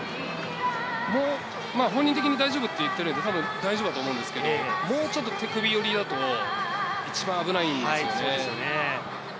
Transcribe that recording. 本人的に大丈夫と言っていたら、大丈夫だと思うんですけど、もうちょっと手首よりだと一番危ないんですよね。